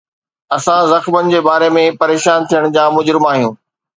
اسان زخمن جي باري ۾ پريشان ٿيڻ جا مجرم آهيون